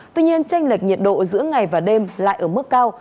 tuy nhiên tranh lệch nhiệt độ giữa ngày và đêm lại ở mức cao